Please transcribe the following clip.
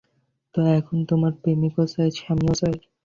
তো, এখন তোমার প্রেমিকও চাই, স্বামীও চাই?